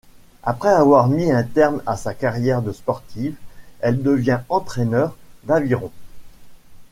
Après avoir mis un terme à sa carrière de sportive, elle devient entraîneur d'aviron.